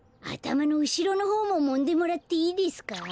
あたまのうしろのほうももんでもらっていいですか？